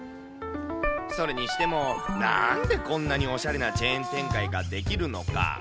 それにしてもなんでこんなにおしゃれなチェーン展開ができるのか。